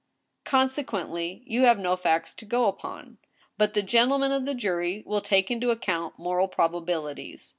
" Consequently you have no facts to go upon. But the gentle men of the jury will take into account moral probabilities.